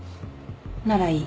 ならいい。